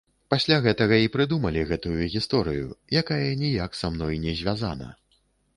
Пасля гэтага і прыдумалі гэтую гісторыю, якая ніяк са мной не звязана.